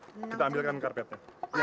kita ambilkan karpetnya